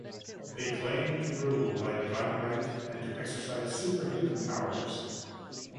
They claimed to rule by divine right and to exercise superhuman powers.